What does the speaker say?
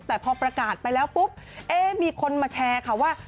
แต่พอประกาศไปแล้วปุ๊บเอ๊ะมีคนมาแชร์ค่ะว่า